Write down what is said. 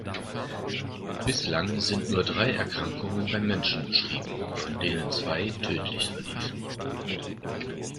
Bislang sind nur drei Erkrankungen beim Menschen beschrieben, von denen zwei tödlich verliefen.